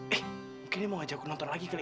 eh mungkin dia mau ngajak aku nonton lagi kali